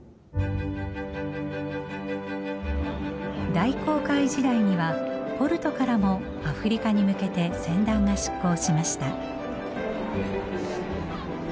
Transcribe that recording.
大航海時代にはポルトからもアフリカに向けて船団が出航しました。